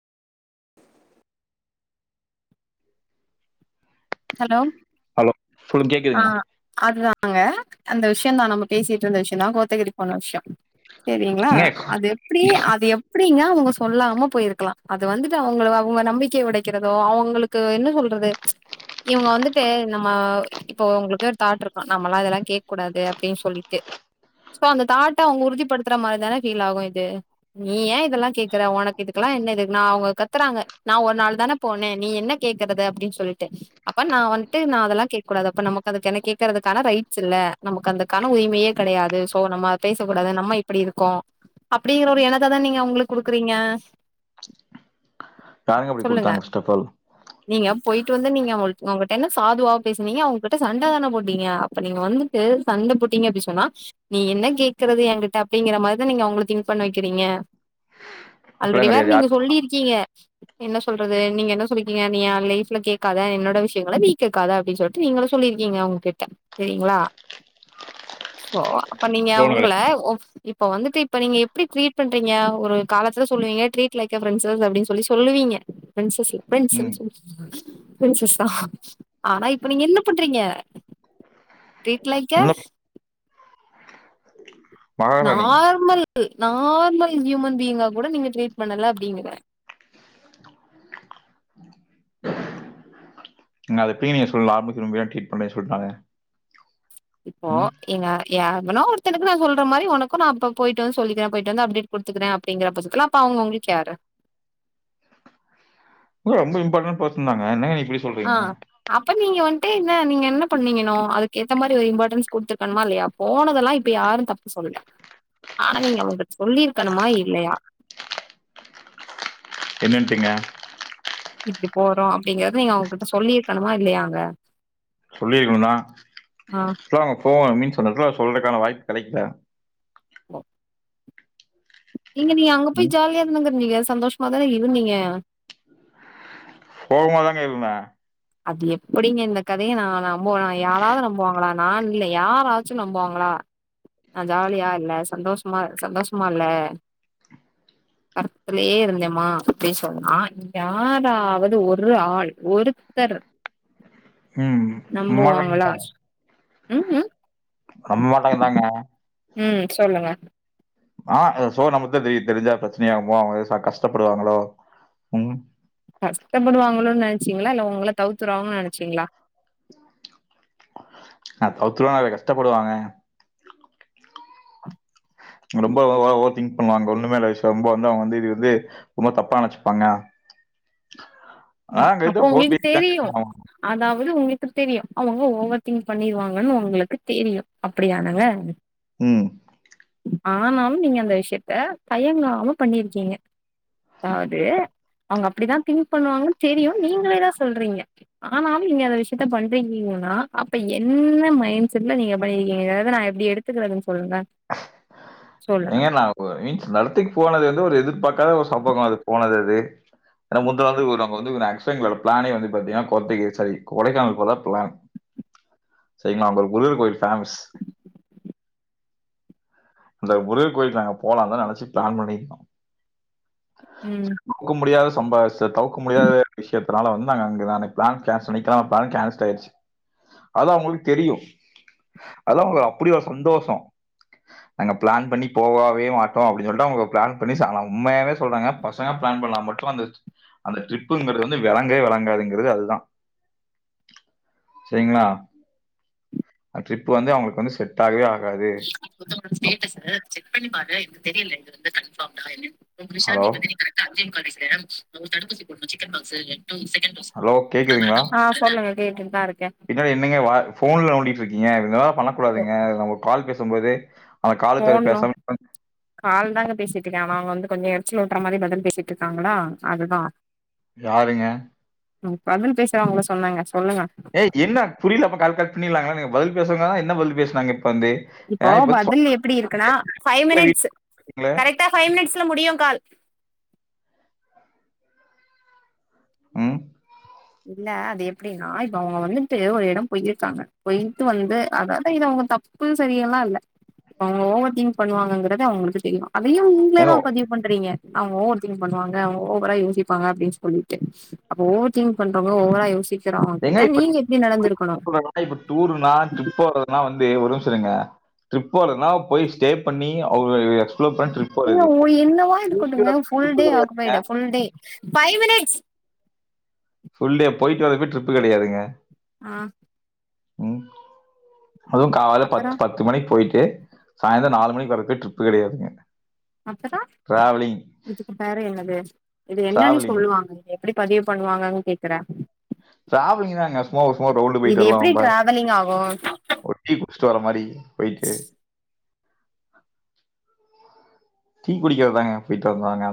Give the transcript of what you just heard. Hello hello சொல்லுங்க கேக்குதுங்க ஆஹ அதுதான் அங்க அந்த விஷயம் தான் நம்ம பேசிட்டு இருந்த விஷயம் தான் கோத்தகிரி போன விஷயம் சரிங்களா ஏங்க அது எப்படி அது எப் எப்படிங்க அவங்க சொல்லாம போயிருக்கலாம் அது வந்துட்டு அவங்க அவங்க நம்பிக்கை உடைக்கிறதோ அவங்களுக்கு என்ன சொல்றது இவங்க வந்துட்டு நம்ம இப்போ உங்களுக்கு ஒரு தாட் இருக்கும் நம்ம எல்லாம் அதெல்லாம் கேட்க கூடாது அப்படின்னு சொல்லிட்டு சோ அந்த தாட்ட அவங்க உறுதிப்படுத்துற மாதிரி தானே ஃபீல் ஆகும் இது நீ ஏன் இதெல்லாம் கேக்குற உனக்கு இதுக்கெல்லாம் என்ன இதுக்கு நான் அவங்க கத்துறாங்க நான் ஒரு நாள் தானே போனேன் நீ என்ன கேக்குறது அப்படின்னு சொல்லிட்டே ப்ப நான் வந்துட்டு நான் அதெல்லாம் கேக்குடது அப்ப நமக்கு அதுக்கு என் கேக்குறதுக்கான ரைஸ் இல்ல நமக்கு அந்த க்கான உரிமையே கிடையாது சோ நம்ம பேசக்கூடாது நம்ம இப்படி இருக்கோம் அப்படிங்கற ஒரு இனத்த தான் நீங்க அவங்களுக்கு குடுக்குறீங்க [unintelligible] அடி சொல்லுங்க கொடுத்தாங்க ஃபஸ்டபால் நீங்க போயிட்டு வந்து நீங்க உங்ககிட்ட என்ன சாவாவ பேசுனீங்க அவங்ககிட்ட சண்டை தானே போட்டீங்க அப்ப நீங்க வந்துட்டு சண்டை போட்டீங்க அப்படின்னு சொன்னா நீ என்ன கேக்குறது என்கிட்ட அப்படிங்கிற மாதிரிதான் நீங்க உங்களுக்கு திங்க் பண்ண வைக்கிறீங்க ஆல்ரெடி இப்பெல்லாம் வேற கிடையாது நீங்க யாரு சொல்லி இருக்கீங்க என்ன சொல்றது நீங்க என்ன சொல்லிக்கீங்க நீ லைப்ல கேட்காத என்னோட விஷயம் த நீக்கக்காத அப்படின்னு சொல்லிட்டு நீங்கள சொல்லிருக்கீங்க உங்ககிட்ட சரிங்களா அப்ப நீங்க இப்பெல்லாம் உங்க கிடையாது இப்போ வந்துட்டு இப்ப நீங்க எப்ப ட்ரீட் பண்றீங்க ஒரு காலத்துல சொல்லுவீங்க ட்ரட் லைக் ரெண்டஸ் அப்படின்னு சொல்லுவீங்க பிரண்ட்ஸ் இல்ல ம் பிரண்ஸ் பிரன்சஸ்தான் ஆனா இப்ப நீங்க என்ன பண்றீங்க தீட்லைக்கேர் இன்னும் மகாராணி நார்மல் நார்மல் ஹியூமன் பீங்கா கூட நீங்க ட்ரீட் பண்ணல அப்படிங்கற அதைப் பீனியஸ் புல்லா ஆபீஸ் ரூம்ல ட்ரீட் பண்ணன் சொல்லிட்டாங்க இப்போ ம் நீங்க யாருக்கான சொல்ற மாதிரி உனக்கும் நான் அப்ப போயிட்டு வந்து சொல்லிக்கேன் போயிட்டு வந்து அப்டேட் கொடுக்குறேன் அப்படிங்கிற பதுக்கெல்லாம் அப்ப அவங்களுக்குயாரு ரொம்ப இம்பார்டன் பர்சன் தாங்க இப்படி சொ ஆஹ அப்ப நீங்க வந்துட்டு என்ன நீங்க என்ன பண்ணீங்கன்னும் அதுக்கு ஏத்த மாதிரி ஒரு இம்பார்ட்டன்ஸ் கொடுத்துருக்கணுமா இல்லையா போனதெல்லாம் இப்ப யாரும் தப்பு சொல்ல ஆனா நீங்க அவங்களுக்கு சொல்லிருக்கணுமா இல்லையா என்னட்டீங்க இப்படி போறோம் அப்படிங்கறத நீங்க அவங்கிட்ட சொல்லியிருக்கணுமா இல்லையாங்க சொல்லியிருக்கணும்னா ஆ இல்லாம் அவங்க போ மீன் சொன்னதுல சொல்றதுக்கான வாய்ப்பு கிடைக்கல ஹ ஏங்க நீங்க அங்க போய் ம் ஜாலியா தானங்க இருந்தீங்க சந்தோஷமா தானே இருந்தீங்க சோகமா தாங்க இருந்தா அது எப்படிங்க இந்த கதையை நான் நம்புவனா யாராவது நம்புவாங்களா நான் இல்லை யாராச்சும் நம்புவாங்களா நா ஜாலியா இல்ல சந்தோஷமா சந்தோஷமா இல்ல பரத்துலே இருந்தேமா அப்படின் சொன்னா யாராவது ஒரு ஆள் ஒருத்தர் ம் மகாராணி நம்புவாங்களா உம்உம் ரம் மாட்டாங்க தாங்க உம் சொல்லுங்க ஆஹ் சோ நம்மதான் தெ தெரிஞ்சா பிரச்சனையாகுமோ கஷ்டப்படுவாங்களோ உம் கஷ்டப்படுவாங்களோன்னு நினைச்சீங்களா இல்ல உங்கள தவித்துருவாங்கன்னு நினச்சீங்களா நா அவத்து நிறைய கஷ்டப்படுவாங்க ரொம்ப ஓவ ஓவர் திங் வாங்க ஒண்ணுமேல்ல விஷ்யோ ரொம்ப வந்து அவுங்க வந்து இது வந்து ரொம்ப தப்பா நெனச்சுப்பாங்க ஆனா ம் என்கிட்ட அப்போ ஃபோன் உங்களுக்கு பேசி தெரியு தான் அதாவ்து உங்ளுக்கு தெரியு அவுங்க ஓவர் திங்க் பண்ணிருவாங்கன் உங்ளுக்கு தெரியு அப்டிதானங்க ம் ஆனாலு நீங்க அந்த விஷ்யத்த தயங்காம பண்ணிருக்கீங்க அதாவ்து அவுங்க அப்டிதா திங்க் பண்ணுவாங்கன் தெரியு நீங்ளே தா சொல்றீங்க ஆனாலு நீங்க அந்த விஷ்யத்த பண்றீகீங்கன்னா அப்ப என்ன மைண் செட்ல நீங்க பண்ணிருக்கீங்கங்கறத நா எப்டி எடு த்துக்கறதுன் சொல்லுங்ளே ஏங்க நா ஒ மீன்ஸ் அந்த எடத்துக்கு போனது வந்து ஒரு எதிர்பாக்காத ஒரு சம்பவோ அது போனது அது ஏனா முந்தா நேத்துக்கு ஒரு அங்க வந்து ஆக்சுவலி எங்களோட பிளானே வந்து பாத்தீங்கன்னா கொத்திக்கி சாரி கொடைக்கானல் போவதா பிளான் செரிங்ளா அங்க ஒரு முருகர் கோயில் ஃபேமஸ் அந்த முருகர் கோயிலுக்கு நாங்க போலான்தா நெனச்சு பிளான் பண்ணிருந்தோ ம் க்கு முடியாத சம்பார்ச்ட்ட தவுக்க முடியாத ஒரு விஷ்யத் தனால வந்து நாங்க அங்க அன்னைக் பிளான் கேன்சல் [unintelligible] பிளான் கேன்சல் ஆய்டுச்சு அது அவுங்களுக்கு தெரியு அதுல அவுங்களுக்கு அப்டி ஒரு சந்தோஷோ நாங்க பிளான் பண்ணி போவாவே மாட்டோ அப்டின் சொல்ட்டு அவுங்க பிளான் பண்ணி ச ஆனா உண்மயாவே சொல்றேங்க பசங்க பிளான் பண்ணா மட்டு அந்த அந்த ட்ரிப்புங்கறது வந்து வெளங்கவே வெளங்காதுங்கறது அதுதா செரிங்ளா அந்த ட்ரிப் வந்து அவுங்களுக்கு வந்து செட்டாவே ஆகாது [unintelligible] வந்து ஸ்டேட்டஸ் செக் பண்ணி பாரு எனக்கு தெரியல இது வந்து கன்ஃபர்ம்டா என்ன உங்க ஹலோ விஷாந்தி வந்து நீ கரெக்டா அஞ்சே முக்கா வயசுல அவங்களுக்கு தடுப்பூசி போடணும் சிக்கன் பாக்ஸ் ஹலோ கேக்குதுங்களா ஆ சொல்லுங்க கேட்டுட் தாருக்கே பின்னாடி என்னங்க வா ஃபோன்ல நோண்டிட்ருக்கீங்க இதுல்லா போ பண்ணக்கூடாதுங்க நம்ம கால் பேசும்போது அந்த காலத்தை ஃபோன்லா பேசாம கால் தாங்க பேசிட்ருக்கே ஆனா அவுங்க வந்து கொஞ்சோ எரிச்சல் ஊட்ற மாரி பதில் பேசிட்ருக்காங்களா அதுதா யாருங்க ம் பதில் பேசுறவங்கள சொன்னேங்க சொல்லுங்க ஏ என்ன புரில அப்ப கால் கட் பண்ணிலாங்க நீங்க பதில் பேசுவங்கான என்ன பதில் பேசுனாங்க இப்ப வந்து இப்போ ஏன் இப்ப வந்து பதில் எப்டி இருக்குனா சொந்தத்துல வீட்டுல இருக்கீங்களே ம் இல்ல அது எப்டின்னா இப்ப அவுங்க வந்துட்டு ஒரு எடோ போயிர்க்காங்க போய்ட்டு வந்து அதாவ்து இத அவுங்க த ப்பு சரியெல்லா இல்ல இப்ப அவுங்க ஓவர் திங்க் பண்ணுவாங்கங்கறது அவுங்களுக்கு தெரியு அதையு நீங்ளே தா ஏங்க பதிவு பண்றீங்க அவுங்க ஓவர் திங்க் பண்ணுவாங்க அவுங்க ஓவர்ரா யோசிப்பாங்க அப்டின் சொல்லிட்டு அப்ப ஓவர் திங்க் பண்றவங்க ஓவரா யோசி ஏங்க இப்ப இப்ப டூர்னா டிரிப் போற னா வந்து ஒரு நிம்ஷோ இருங்க டிரிப் போறதுனா போய் ஸ்டே பண்ணி அவுங்க இல்ல ஓ என்னவா இருக்கட்டுங்க ஃபுல் ட்ரிப் டே கிடையாதுங்க. Occupied full day full day போய்ட்டு வரதுக் பேர் டிரிப்பு கெடயாதுங்க ஆ ம் அது கால்ல பத் அப்பறோ பத் து மணிக்கு போய்ட்டு சாயந்தரோ நாலு மணிக்கு வரப்பேர் ட்ரிப்பு கெடயாதுங்க அப்பறோ இதுக்கு பேரு என்னது இது என்னன்னு டிராவலிங் சொல்வாங்க எப்டி பதிவு பண்ணுவாங்கனு கேக்கற ட்ராவலிங் தாங்க சும்மா சும்மா ரவுண்டு போயிட்டு இது வர்லாம் எப்டி நம்ப டிராவலிங் ஆகு ஒரு டீ குடிச்சிட்டு வர மாரி போயிட்டு டீ குடிக்கிறதாங்க போயிட்டு வந்தாங்க